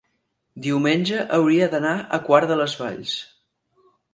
Diumenge hauria d'anar a Quart de les Valls.